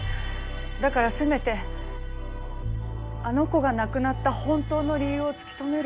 だからせめてあの子が亡くなった本当の理由を突き止める。